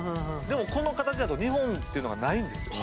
でもこの形だと２本っていうのがないんですよ。